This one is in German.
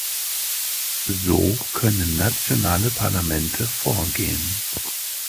So können nationale Parlamente vorgehen.